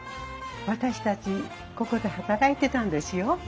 私たちここで働いてたんですよ。